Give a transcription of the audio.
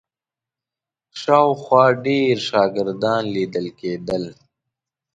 شاوخوا ډېر شاګردان لیدل کېدل.